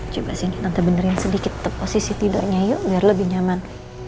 coba sih tante benderin sedikit posisi tidurnya yuk biar lebih nyaman